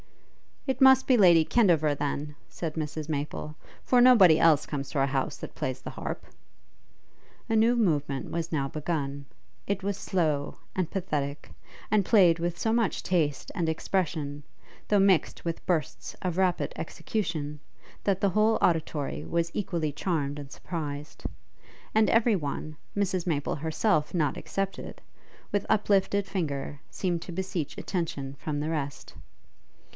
'It must be Lady Kendover, then,' said Mrs Maple, 'for nobody else comes to our house that plays the harp.' A new movement was now begun; it was slow and pathetic, and played with so much taste and expression, though mixed with bursts of rapid execution, that the whole auditory was equally charmed and surprized; and every one, Mrs Maple herself not excepted, with uplifted finger seemed to beseech attention from the rest.